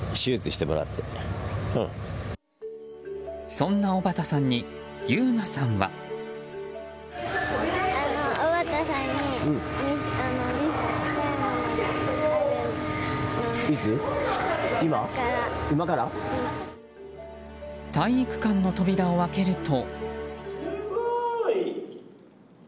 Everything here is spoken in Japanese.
そんな尾畠さんに侑奈さんは。体育館の扉を開けると。